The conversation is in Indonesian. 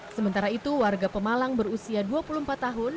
sementara itu warga pemalang berusia dua puluh empat tahun